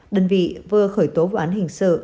đơn vị vừa khởi tố vụ án hình sự